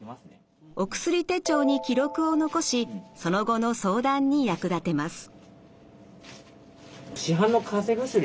お薬手帳に記録を残しその後の相談に役立てます。